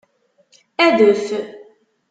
Adef!